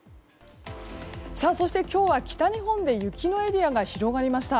そして今日は北日本で雪のエリアが広がりました。